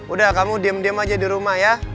udah kamu diem diem aja di rumah ya